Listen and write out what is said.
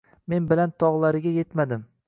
Men baland tog’lariga yetmadim.